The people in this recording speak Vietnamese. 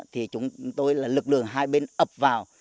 thì chúng tôi là lực lượng hai bên ập vào